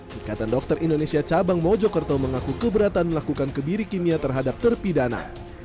ikatan dokter indonesia cabang mojokerto mengaku keberatan melakukan kebiri kimia terhadap terpidana